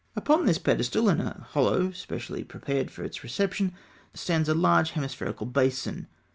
Upon this pedestal, in a hollow specially prepared for its reception, stands a large hemispherical basin.